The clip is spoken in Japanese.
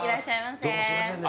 どうもすみませんね。